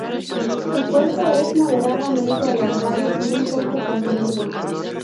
Su cuerpo es moderadamente alargado y un poco comprimido.